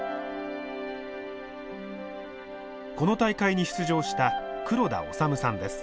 この大会に出場した黒田脩さんです。